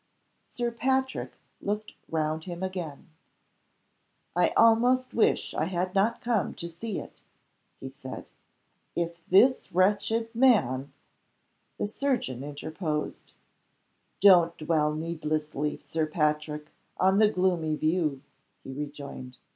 Sir Patrick looked round him again. "I almost wish I had not come to see it," he said. "If this wretched man " The surgeon interposed. "Don't dwell needlessly, Sir Patrick, on the gloomy view," he rejoined.